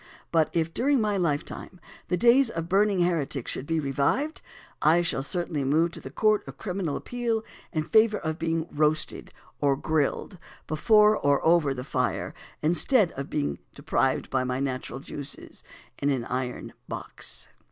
But if during my lifetime the days of burning heretics should be revived, I shall certainly move the Court of Criminal Appeal in favour of being roasted or grilled before, or over, the fire, instead of being deprived of my natural juices in an iron box.